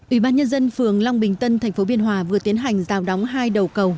ủy ban nhân dân phường long bình tân tp biên hòa vừa tiến hành rào đóng hai đầu cầu